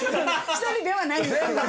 １人ではないんですけど。